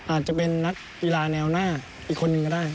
อาจจะเป็นนัดวีราณแนวหน้าอีกคนก็ได้